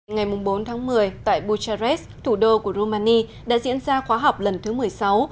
ngày bốn tháng một mươi tại bucharest thủ đô của romani đã diễn ra khóa học lần thứ một mươi sáu